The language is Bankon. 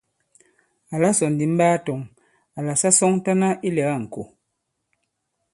Àla sɔ̀ ndì m ɓaa tɔ̄ŋ àlà sa sɔŋtana ilɛ̀ga ìŋkò.